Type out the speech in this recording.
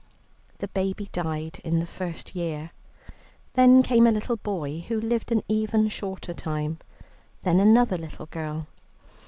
The baby died in the first year. Then came a little boy, who lived an even shorter time; then another little girl.